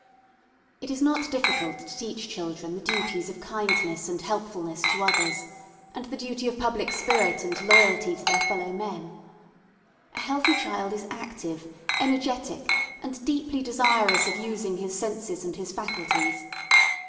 It is not difficult to teach children the duties of kindness and helpfulness to others, and the duty of public spirit and loyalty to their fellow men. A healthy child is active, energetic, and deeply desirous of using his senses and his faculties.